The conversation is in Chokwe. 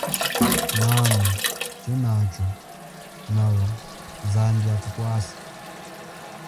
Mama, chenacho nawa, zambi athukwase.